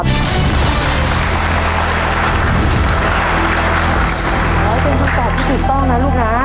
แล้วเป็นทางตอบที่ถูกต้องนะลูกน้า